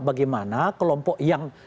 bagaimana kelompok yang